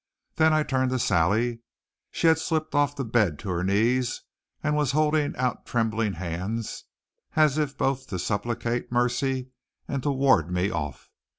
Then I turned to Sally. She had slipped off the bed to her knees and was holding out trembling hands as if both to supplicate mercy and to ward me off.